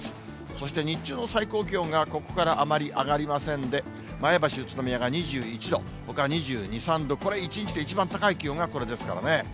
そして日中の最高気温がここからあまり上がりませんで、前橋、宇都宮が２１度、ほか２２、３度、これ一日で一番高い気温がこれですからね。